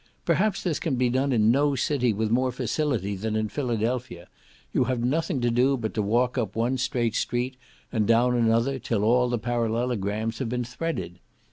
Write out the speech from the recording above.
Perhaps this can be done in no city with more facility than in Philadelphia; you have nothing to do but to walk up one straight street, and down another, till all the parallelograms have been threaded.